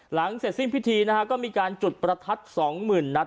หลังเสร็จสิ้นพิธีก็มีการจุดประทัดสองหมื่นนัด